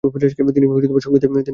তিনি সঙ্গীতের তালিম নেন।